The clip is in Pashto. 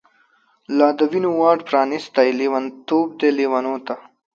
لا د وینو واټ پرانیستۍ، لیونتوب دی لیونوته